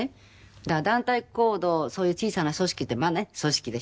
だから団体行動そういう小さな組織ってまあね組織でしょ。